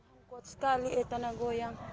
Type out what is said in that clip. masih kuat sekali eh tanah goyang